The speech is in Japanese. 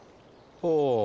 ほう。